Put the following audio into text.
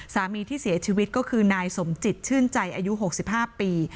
สามีที่เสียชีวิตก็คือนายสมจิตชื่นใจอายุ๖๕ปี